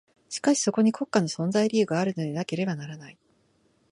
しかしそこに国家の存在理由があるのでなければならない。